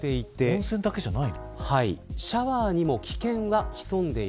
温泉だけじゃない。